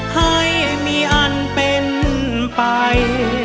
ให้มีอันเป็นไป